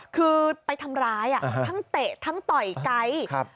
คือไปทำร้ายทั้งเตะทั้งต่อยไกด์